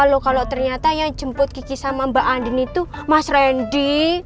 kalo kalo ternyata yang jemput kikiku sama mba andien itu mas randy